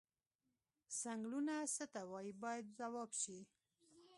څنګلونه څه ته وایي باید ځواب شي.